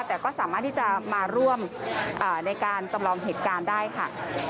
แต่ก็สามารถที่จะมาร่วมในการจำลองเหตุการณ์ได้ค่ะ